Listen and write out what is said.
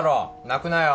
泣くなよ